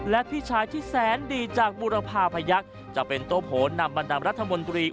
และพี่ชายที่แสนดีจากบุรพาพยักษ์จะเป็นโต้โผนำบรรดารัฐมนตรี